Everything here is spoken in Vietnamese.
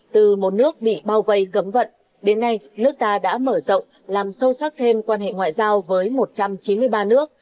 từ một nước bị bao vây cấm vận đến nay nước ta đã mở rộng làm sâu sắc thêm quan hệ ngoại giao với một trăm chín mươi ba nước